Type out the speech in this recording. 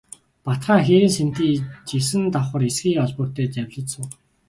Бат хаан хээрийн сэнтий есөн давхар эсгий олбог дээр завилж суув.